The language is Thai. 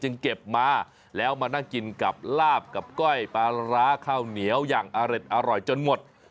เก็บมาแล้วมานั่งกินกับลาบกับก้อยปลาร้าข้าวเหนียวอย่างอร่อยจนหมด